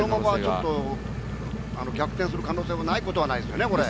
逆転する可能性もないことはないですね。